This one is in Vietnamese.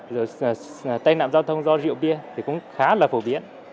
rồi tai nạn giao thông do rượu bia thì cũng khá là phổ biến